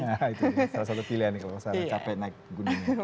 nah itu salah satu pilihan nih kalau sekarang capek naik gunung